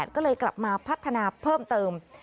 ก็เลยกลับมาพัฒนาเพิ่มเติม